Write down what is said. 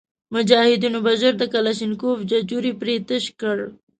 مجاهدینو به ژر د کلشینکوف ججوري پرې تش کړ.